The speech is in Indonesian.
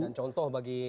dan contoh bagi